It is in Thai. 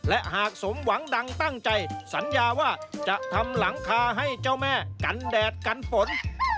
และหากสมหวังดังตั้งใจสัญญาว่าจะทำหลังคาให้เจ้าแม่กันแดดกันฝน